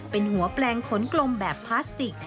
เป็นหัวแปลงขนกลมแบบพลาสติก